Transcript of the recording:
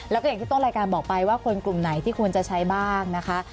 แล้วก็อย่างที่ต้นรายการบอกไปว่าคนกลุ่มไหนที่ควรจะใช้บ้างนะคะ